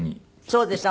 そうです。